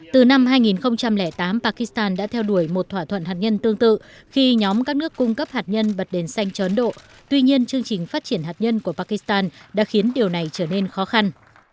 từ năm hai nghìn tám pakistan đã theo đuổi một thỏa thuận hạt nhân tương tự khi nhóm các nước cung cấp hạt nhân bật đèn xanh cho ấn độ tuy nhiên chương trình phát triển hạt nhân của pakistan đã khiến điều này trở nên khó khăn